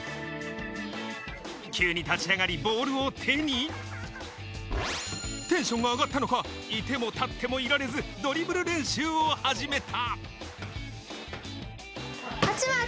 急に立ち上がりボールを手にテンションが上がったのか、いても立ってもいられず、ドリブル練習を始めた。